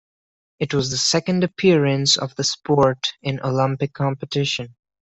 It was the second appearance of the sport in Olympic competition.